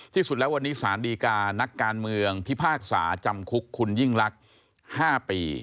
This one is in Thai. ที่สุดแล้ววันนี้สารดีการักการเมืองพิพากษาจำคุกคุณยิ่งลักษณ์๕ปี